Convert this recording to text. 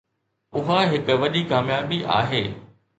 اها هڪ وڏي ڪاميابي آهي.